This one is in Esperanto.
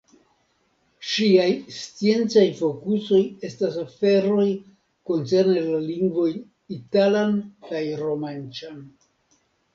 Ŝiaj sciencaj fokusoj estas aferoj koncerne la lingvojn italan kaj romanĉan.